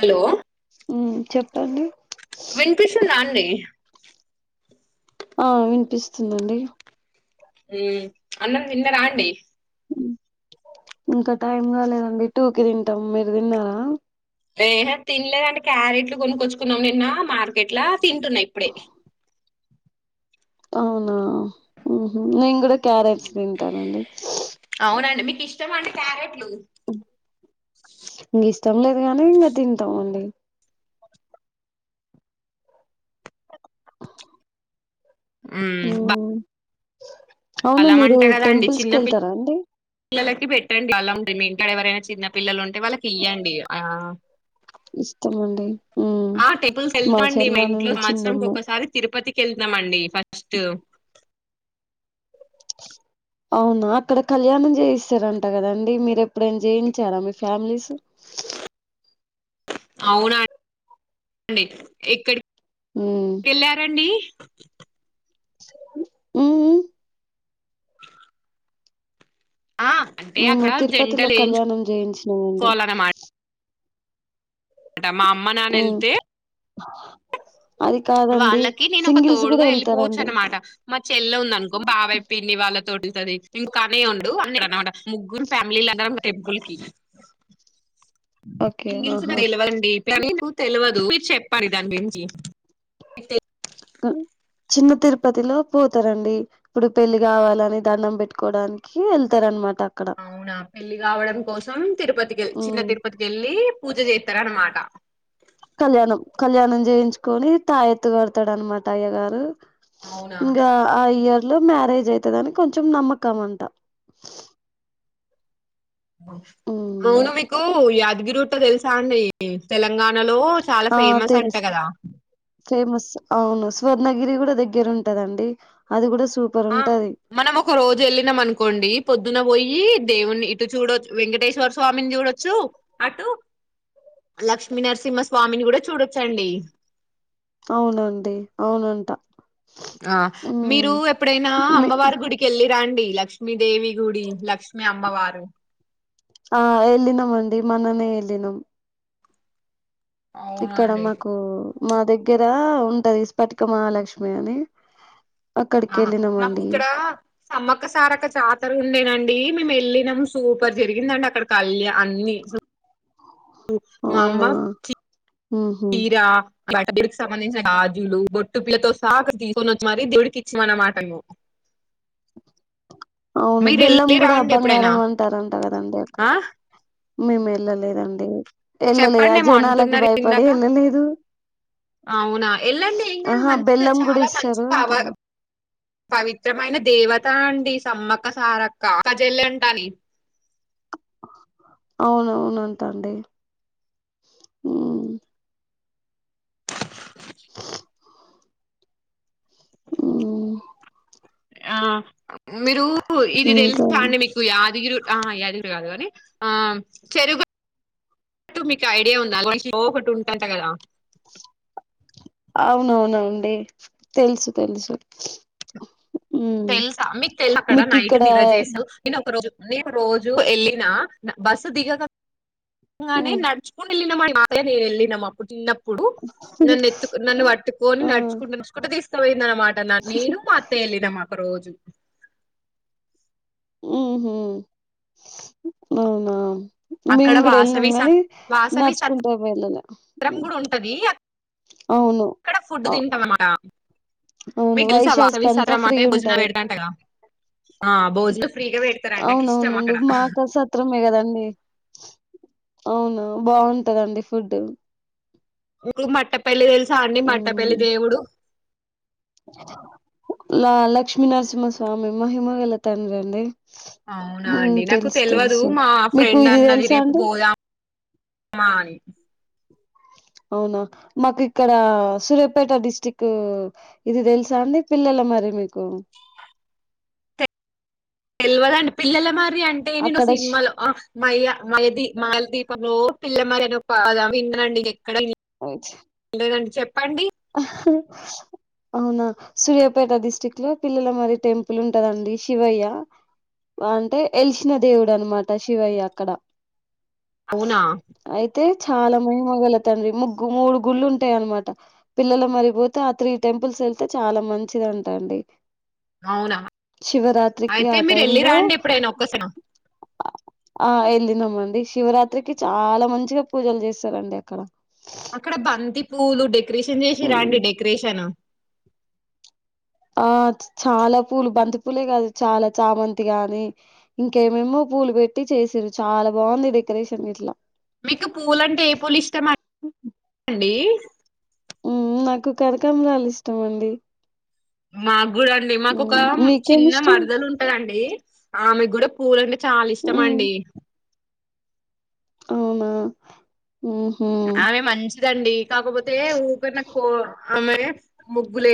Hello మ్మ్ చెప్పండి వినిపిస్తుందా అండి ఆ వినిపిస్తుందండి మ్మ్ అన్నం తిన్నరా అండి ఇంకా టైం కాలేదండి టూ కి తింటాం మీరు తిన్నారా ఏహే తినలేదండి క్యారెట్లు కొనుక్కొచ్చుకున్నాం నిన్న మార్కెట్ తింటున్నా ఇప్పుడే అవునా హ్మ్ నేను కూడ క్యారెట్ తింటానండి ఇష్టమాండి క్యారట్ హలో నీస్ ఇష్టం లేదు కాగానీ ఇంకా తింటామండి మ్మ్ బా అవును మీరు అలాంటా కదా అండి టెంపుల్స్ చిన్న పిల్ కెళ్తారా అండి పిల్లలకి పెట్టండి అలా ఉంట మ ఎవరైనా చిన్న పిల్లలు ఉంట్ అంటే వాళ్ళకి ఇయ్యండి ఆ ఇష్టం అండి మ్మ్ ఆ టెంపుల్స్ వెళ్తామండి మా ఇంట్లో చెల్లనుంది సంవత్సరం చిన్నమ్మాయి ఒకసారి తిరుపతికి వెళ్తామండి ఫస్ట్ అవునా అక్కడ కళ్యాణం చేయిస్తారంట కదండి మీరు ఎప్పుడైనా చేయించారా మీ ఫ్యామిలీస్ అవునా అండి ఎక్కడికి మ్మ్ వెళ్ళారంండి మ్మ్ మ్మ్ ఆ అంటే మేము అక్కడ తిరుపతిలో జంటలు కళ్యాణం చేయించినామండి అట మా అమ్మ నాన్న మ్మ్ వెళ్తే అది కాదండి వాళ్ళకి నేను ఒక సింగిల్స్ కూడా తోడుగా వెళ్ళిపోవచ్చు వెళ్తారండి అనమాట మా చెల్ల ఉంద అనుకో బాబయ పిడి వాళ్ళ తోడు ది ఇంకా అనే ఉండు అన్ని అమాట ముగ్గురు ఫ్యామిలీలు అన్నారు టెంపుల్ కి ఓకే ఆహా తెలవండి [unintelligible] తెలవద మీరు చెప్పారు దాని మించి చిన్న తిరుపతిలో పోతారంండి ఇప్పుడు పెళ్లి కావాలని దండం పెట్టుకోడానికి వెళ్తార అనమాట అవునా పెళ్ళి కావడం కోసం తిరుపతికేళ్ చిన్న ఉమ్ తిరుపతికి వెళ్ళి పూజ చే తరన మాటా కళ్యాణం కళ్యాణం చేయించుకొని తాయ ఎత్తుగడతాడ అనమాట అయ్య గారు అవునా ఇకా అయ్య ఇట్లో మ్యారేజ్ అయితదని కొంచెం నమ్మకం అంట ఉమ్ అవును మీకు యాడ్ తగ్గిరట్ట తెలుసా అండి తెలంగాణ నలో చాలా ఆ ఫేమస్ అంట తెలుసు కదా ఫేమస్ అవును స్వర్ణగిరి కూడా దగ్గర ఉంటదండి అది కూడా సూపర్ ఆ ఉంటది మనం ఒక రోజు వెళ్ళినాం అనుకోండి పొద్దున్న పోయి దేవుని ఇటు చూడొచ్చు వెంకటేశ్వర స్వామిని చూడొచ్చు అటు లక్ష్మీ నరసింహ స్వామిని కూడా చూడొచ్చండి అవునండి అవునంట ఆ ఉమ్ మీరు ఎప్పుడైనా మీ అమ్మవారి గుడికి వెళ్ళిరాండి డి లక్ష్మిీదేవి గుడి లక్ష్మి అమ్మవారు ఆ ఎళనమ్ అండి మననే ఏలినం ఇక్కడ అవునండి మాకు మా దగ్గర ఉంటది విస్ఫటిక మహాలక్ష్మి అని అక్కడికి ఆ మాకు వెళ్ళినామండి ఇక్కడ సమ్మక్క సారక జాతర ఉండేనండి అండి మేము వెళ్ళినాం సూపర్ జరిగింది అండి అక్కడ కళ్యా అన్ని స మా అమ్మ అవునా చ ఉహు చీరా బటర్ క సంబంధించిన గాజులు బొట్టు పిల్లతో సాగ తీసుకొని వచ్చు మరి దేవుడికి ఇచ్చమన్నమాట నువ్వు అవును బెల్లం కూడా అ బంగారం అంటారంట కదండి అక్కడ ఆ మేం ఎళ్ళలేదండి చెప్పండి ఏమో అంటున్నారు ఇందాక వెళ్ళలేదు అవునా ఎళ్ళండి ఏం కాదు ఆహా మంచిదే బెల్లం కూడా చాలా మంచి ఇస్తారు పవార్ అంటున్నా పవిత్రమైన దేవత అండి సమ్మక్క సారక్క అక్కజల్లంట నే అవునవునంటండి హూ హూ మ్ ఆ మీరు ఇది ఇంకా తెలుసా అండి మీకు యాదగిరి ఆ యాదగిరి కాదు కానీ ఆ చెరుగా ట్టు మీకు ఐడియా ఉందా [unintelligible] ఒకటి ఉంటంట కదా అవునవునండి తెలుసు తెలుసు ఉమ్ తెలుసా మీకు తెల్ అక్కడ మీకు నైట్ ఇక్కడ నిర జ చేసావు ఇన్ ఒక రోజు నేను రోజు ఎళ్ళిన బస్సు దిగగా గానే ఉమ్ నడుచుకున్ ఎల్లినం అంటే ఎల్లినం అప్పుడు చిన్న ప్ ప్పుడు నన్ను ఎత్తు కొ నన్ను పట్టుకొని ఆ నడుచుకుంటా నడుచుకుంట తీస్ సవే నన్న మాట నేను మా మత్త ఎళ్ిన మా ఒక రోజు హూ హుమ్ అవునా మేము అక్కడ కూడ వెళ్ళినాం వాసవి గానీ సత్ వాసవి సత్రం నచ్చుకుంటా వేల్ళలే కూడా ఉంటది అవును అక్కడ ఫుడ్ తింటాం అన్నమాట అవును మీకు అ తెలుసా వైశాస్ కి వాసవి అంతా సత్రం ఫ్రీ అంటే భోజనాలు ఉంటది పెడతాంటగా ఆ భోజనం ఫ్రీగా పెడతారండి నాకు ఇష్టం అవునవునుండి అక్కడ మాకు ఆ సత్రమే కదండి అవునా బాగుంటదండి ఫుడ్ ఊరు మట్టపెల్లి తెల్ స్ సా అండి మట్టే పెల్లి దేవుడు ల లక్ష్మీనరసింహస్వామి మహిమ గల తండ్రి అండి అవునా హ్మ్. అండి నాకు తెలుసు తెలివదు తెలుసు మా మీకు ఫ్రెండ్ ఇది అన్నది తెలుసా రేపు అండి పోదాం మా నీ అవునా మాకు ఇక్కడ సూర్యాపేట డిస్ట్రిక్ ఇది తెలుసా అండి పిల్లల మర్రి మీకు తెల్వదండి పిల్లల మర్ ర్రి అంటే నేను అక్కడ సినిమాలో మయ మయది మాలదీపంలో పిల్లమారి అని ఓ పద విన్నండి ఇది ఎక్కడ ఆవు చా లేదండి చెప్ ఆ అవునా సూర్యాపేట డిస్ట్రిక్ట్ లో పిల్లల మర్రి టెంపుల్ ఉంటదండి శివయ్య అంటే ఎల్సిన దేవుడు అనమాట శివయ్య అక్కడ అవునా అయితే చాలా మైమ గలతండ్రి ముగ్గు మూడు గుళ్ళు ఉంటాయి అన్నమాట పిల్లలు మర్రీ పోతే ఆ త్రీ టెంపుల్స్ వెళ్తే చాలా మంచిది అంటాండి అవునా అయితే ఆ మీరు టైం వెళ్ళి లో రాండి ఎప్పుడైనా ఒక్కసా ఆ వెళ్ళినామండి శివరాత్రికి చాలా మంచిగా పూజలు చేస్తారండి అక్కడ అక్కడ బంతి పూలు డెకరేషన్ చేసి హ్మ్. రండి డెకరేషన్ ఆ చాలా పూలు బంతి పూలే కాదు చాలా చామంతి గాని ఇంకేమేమో పూలు పెట్టి చేసారు చాలా బాగుంది డెకరేషన్ ఇట్లా మీకు పూలంటే ఏ పూలు ఇష్టమండి? నాకు కరకామ్రాలు ఇష్టం అండి మా గు అండి మాకు ఒక చిన్న మీకేమిష్టం? మరదలు ఉంటాదండి ఆమె కూడా పూలనే చాలా ఇష్టమ హ్మ్. అండి అవునా ఉ హు దండి కాకపోతే ఊక నా పో ఆమె ముగ్గులే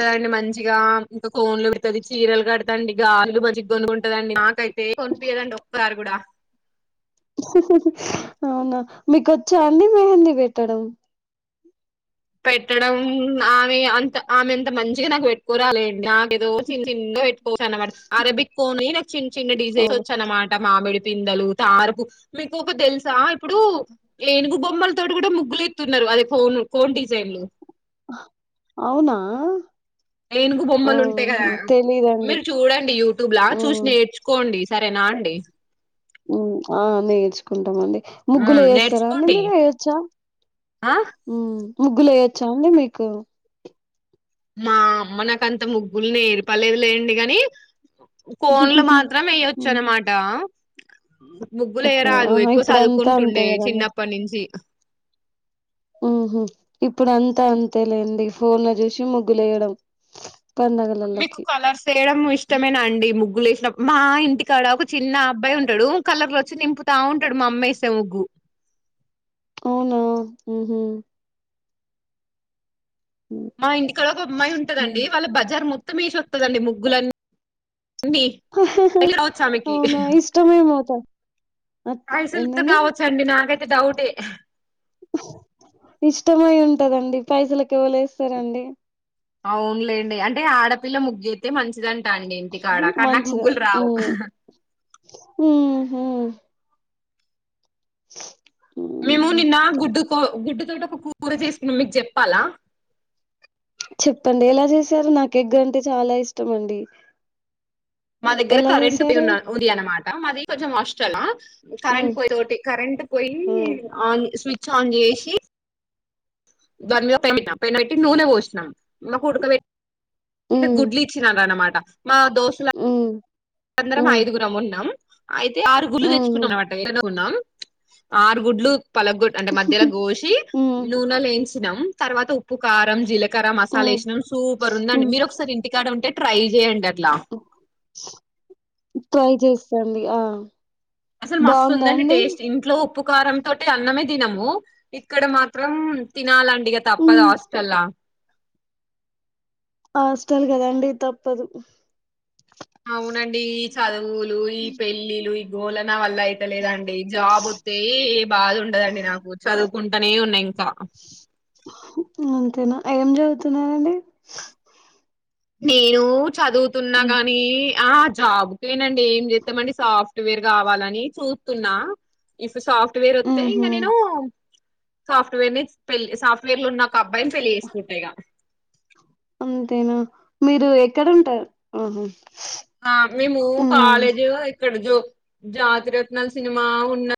తండి మంచిగా ఇంకా కోన్లు పెడతది చీరలు కడతంది గాజులు మజ్గకొను ఉంటదండి నాకైతే ఎం కొనిపించదండి ఒక్కసారి కూడా అవునా మీక వచ్చా అండి మెహందీ పెట్టడం పెట్టడం ఆమె అంత ఆమె ఎంత మంచిగా నాకు పెట్టుకోరాలే నాక్ ఏదో చి చిన్నగా పెట్ అరబిక్ కోను నాక్ చిన్న చిన్న డిజైన్స్ అవును. వచ్చా అనమాట మామిడి పిందలు తామర పూ మీకు ఒక తెలుస సా ఇప్పుడు ఏనుగు బొ మ్మల తో కూడా ముగ్గులుత్తున్నారు అదే ఫోన్ అవునా ఏనుగు బొమ్మలు ఉంటాయి అవునా? కదా తెలీదండి. మీరు చూడండి యూట్యూబ్లా చూసి హ్మ్. నేర్చుకోండి సరేనా అండి ఆ నేర్చుకుంటామ అండి ముగ్గులు ఉమ్ వేయస్తారా అండి నేర్చుకోండి మీరు ఎయొచ్చా ఆ ముగ్గులే చాండి మీకు మా అమ్మ నాకంత ముగ్గుల్ని ఏర్పలేదు లేండి కాని కోన్లు హుహు. మాత్రం వేయొచ్చు అన్నమాట ఓకే. ముగ్గులేయరాదు ఆహా! ఎక్కువ ఇప్పుడంతా అంతే చదువుకుంటుండే గదండీ! చిన్నప్పటి నుంచి ఉహు ఇప్పుడు అంతా అంతే లేండి ఫోన్ల చూసి ముగ్గులు వేయడం. మీకు కలర్స్ వేయడం ఇష్టమేనా అండి. ము గ్గులు వేసినప్పుడు, మా ఇంటికాడ ఒక చిన్న అబ్బాయి ఉంటడు కలర్లు వచ్చి నింపుతా ఉంటడు మా అమ్మ వెస్తే ముగ్గు. అవునా. హుహ్ మా ఇంటికాడ ఒక అమ్మాయి ఉంటదండి వాళ్ళ బజార్ మొ త్తం ఏసి వత్తదండి ముగ్గులు అవునా ఇష్టమేమో తా ఆ పైసలుతో ఏంటండి. కావచ్చండి నాకైతే డౌటే ఇష్టమై ఉంటదండి పైసలకు ఎవ్వలేస్తరండి. అవునులేండి అంటే ఆడపిల్ల ముగ్గెత్తే మంచిదం ంట అండి ఇంటికాడ కని నాకు మంచిగా ముగ్గులు రావు. ఉమ్ హు స మేము నిన్న గుడ్డుకో గుడ్డు [unintelligible] కూర చేసుకున్నా మీకు చెప్పాలా. చెప్పండి ఎలా చేశారు. నాకు ఎగ్ అంటే చాలా ఇష్టం అండి. మా దగ్గర ఎలా కరెంట్ చేశారు [inaudible] ఉంది అన్నమా ట మాది కొంచెం హాస్టల్లా కరెంట్ ఉమ్ పోయి తోటి కరెంట్ పోయి ఉమ్ ఆన్ స్వి చ్ ఆన్ చేేశి దాని మీద పె పెనం పెట్టి నూనె పోసినా మా ఉడకబెట్టి ఈడ గుడ్లిచ్చిరన్నమా ట మా దోస్త్ ల ఉమ్ అందరం ఉమ్ ఐదుగురం ఉన్నం. అయితే ఆరు గుడ్లు ఉమ్ ఉహు తెచ్చుకున్నాం [inaudible] ఆరు గుడ్లు పలగ గొ అంటే మధ్యలకు గోసి ఉమ్ నూనెల వేయించినం తర్వాత ఉప్పు, కారం, జీలకర్ర, మసాలా ఉమ్ వేసినాం సూపర్ ఉంది అండి. మీరు ఒకసారి ఇంటికాడ ఉంటే ట్రై చేయండి అ ఓ ట్రై చేస్తాండి. ఆ అసలు మస్తు బాగుందా ఉందండి అండి టేస్ట్. ఇంట్లో ఉప్పు, కారం తోటే అన్నమే తినము ఇక్కడ మాత్రం తినాలం ఇగా తప్పదు ఉమ్ హాస్టల్లా. హాస్టల్ కదాండి తప్పదు అవునండి ఈ చదువులు ఇ పెళ్ళి లు బోలన్ నా వల్ల అయిత లేదండి జాబ్ వతే ఏ బాధ ఉండదండి నాకు చదువుకుంట తనే ఉన్నాయి అంతేనా ఏం చదువుతున్నారండి నేను చదువుతున్నా గాని ఆ జాబ్కేనండి ఏం చెత్తమండి సాఫ్ట్వేర్ కావాలని చూతున్నా సాఫ్ట్ వేర్ వత్తే ఇంగ ఉహు నేను సాఫ్ట్వేర్ ని పెల్లి సాఫ్ట్వేర్ ల ఉన్న ఒక అబ్బాయిని పెళ్లి చేసుకుంటా ఇగ అంతేనా మీరు ఎక్కడ ఉంటరు ఆహ మేము కాలేజు ఇక్కడ జో జాతిరత్నలు సినిమా ఉన్న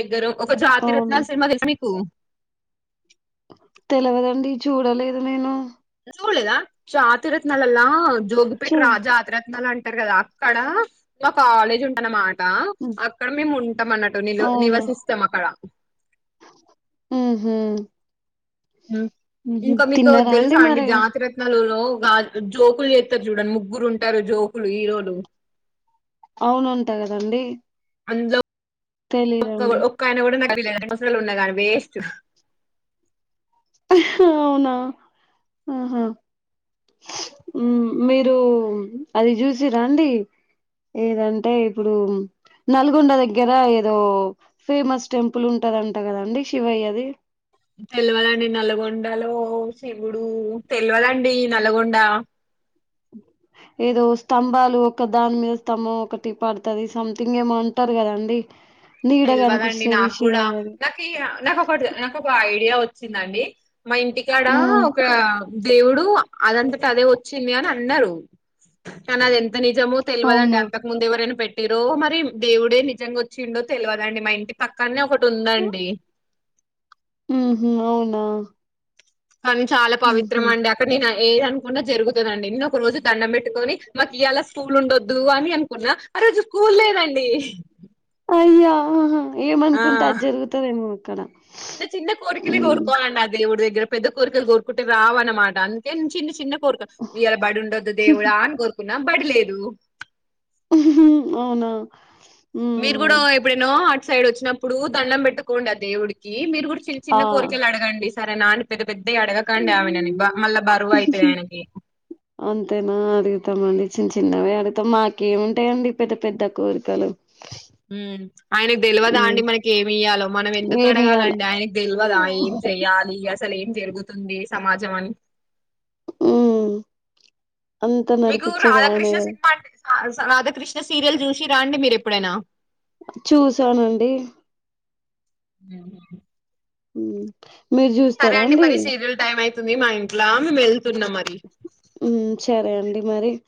దగ్గరం ఒక జాతి అవునా రత్నాలు సినిమా తెలుసా మీకు తెలవదండి చూడలేదు నేను చూలేదా జాతీరత్నలల్ల జోగిపేట్ చూ రా జాతిరత్నాలం ఉంటరు కదా అక్కడ మా కాలేజ్ ఉంటన్నమా ద హ్మ్ అక్కడ మేము ఉంటాం అన్నట్టు నిలు అవునా నివసిస్తాం అక్కడ ఉహు ఉహు ఇంకా మీకు ఓటి తిన్నారా తెలుసా అండి మరి జాతిరత్నాలు వాళ్ళు జోకులు చేత్తరు చూడండి ముగ్గురు ఉంటారు జోకులు హీరోలు అవునుంటా కదండి అందులో ఒక్క కు తెలీదండి ఒక్క ఆయన కూడా ఎన్ని హాస్టల్ ఉన్న కాని వేస్ట్ అవునా ఆహా మీరు అది చూసి రండి ఏదంటే ఇప్పుడు నల్గొండ దగ్గర ఏదో ఫేమస్ టెంపుల్ ఉంటదంట కదండి శివయ్యది తెల్వాదండి నల్లగొండలో శివుడు తెలవాదండి నల్గొండ ఏదో స్తంభాలు ఒక దాని మీద స్తంభం ఒకటి పడుతది సంథింగ్ ఏమో అంటరు కదండి నీడ తెలివదండి కనిపిస్తది నాకు కూడా శివయ్యది నాకి నాకోకటి నాకొక ఐడియా వ చ్చిందండి మా ఇంటికాడా మ్మ్ ఒక దేవుడు అదంతటి అదే వచ్చింది అని అన్నారు కానీ అది ఎంత ంత నిజమో తెలియదండి అవునా అంతకు ముందు ఎవరైనా పేట్ ఎరో మర దేవుడే నిజంగా వచ్చిండో తెలివదండి మా ఇంటి పక్కనే ఒకటి ఉందండి. ఉహు అవునా కానీ చాలా పవిత్రం మ్మ్హు అండి అక్కడ నేను ఏదఅనుకున్నా జరుగుతుందండి నేన్న ఒక రోజు దండం పెట్టుకని మాకు ఇవాలా స్కూల్ ఉండొద్దు అని అనుకున్నా ఆ రోజు స్కూల్ లేదండి. అయ్యాహా ఏమనుకుంటే అది జరుగుతందేమో ఇక్కడ చి చిన్న కోరికలి కోరుకోఅండి ఆ దేవుడు దె గర పెద్ద కోరికలు కోరుకుంటే రావ అన్నమాట అందుకే చిన్న చిన్న కోరుతా ఇయాల బడుండద్ దేవుళ అని కోరుకు నాబడి లేదు అవునా మీరు మ్మ్ కూడా ఎప్పుడైనో అటు సైడ్ వచ్చినప్పుడు దండం పెట్టుకోండి ఆ దేవుడికి మీరు కూడా చిన్న చిన్న ఆ కోరికల అడగండి సరే నను పెద పెద్ద అడగకండి ఆమెనని మళ్ళా బరువు అయితయి ఆయనకి అంతేనా అడుగుతామండి చిన్న చిన్నవే అడుగుతావు మాకేముంటాయండి పెద్ద పెద్ద కోరికలు. ఆయనకు తెలివదా మ్మ్ అండి మనకి ఏమి ఇయ్యాలో మనం ఎందుకు ఏమియ్యాల అడగాలండి ఆయనకు తెలియదా ఏం చెయ్యాలి ఆస్ అసలు ఏం జరుగుతుంది సమాజం అని ఉ మీకు రాధాకృష్ణ సినిమా అంట రాధాకృష్ణ సీరియల్ చూసి రండి మీరు ఎప్పుడైనా చూసానండి హ ఉ మీరు చూస్తారా అండి ంది మా ఇంట్లో మేము వెళ్తున్నాం మరి ఉ సరే అండి మరి